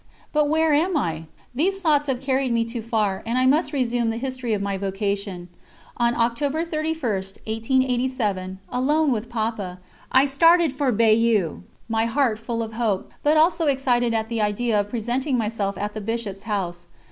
But where am I? These thoughts have carried me too far, and I must resume the history of my vocation. On October 31, 1887, alone with Papa, I started for Bayeux, my heart full of hope, but also excited at the idea of presenting myself at the Bishop's house.